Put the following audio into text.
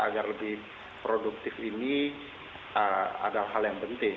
agar lebih produktif ini adalah hal yang penting